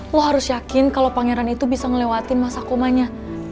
lo harus yakin kalau pangeran itu bisa ngelewatin masa komanya